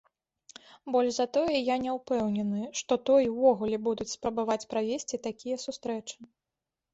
Больш за тое, я не ўпэўнены, што той увогуле будуць спрабаваць правесці такія сустрэчы.